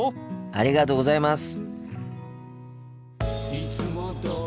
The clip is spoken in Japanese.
ありがとうございます！